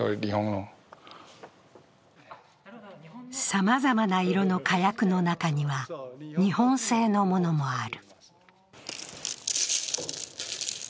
さまざまな色の火薬の中には日本製のものもある。